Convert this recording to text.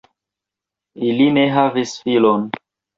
Ili ne havis filon.